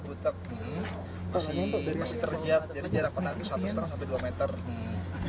tidak terlalu butek